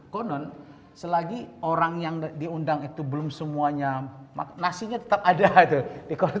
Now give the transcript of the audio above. konon selagi orang yang diundang itu belum semuanya maknanya tetap ada ada dikontrol